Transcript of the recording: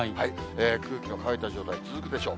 空気の乾いた状態、続くでしょう。